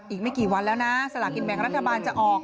อีกไม่กี่วันแล้วนะสลากินแบ่งรัฐบาลจะออก